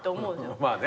まあね。